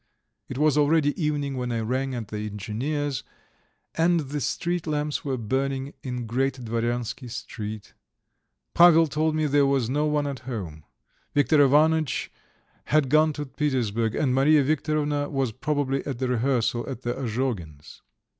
It was already evening when I rang at the engineer's, and the street lamps were burning in Great Dvoryansky Street. Pavel told me there was no one at home; Viktor Ivanitch had gone to Petersburg, and Mariya Viktorovna was probably at the rehearsal at the Azhogins'.